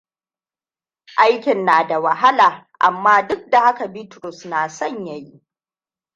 Aikin na da wahala, amma duk da haka Bitrus na son ya yi.